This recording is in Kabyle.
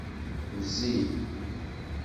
Mzi.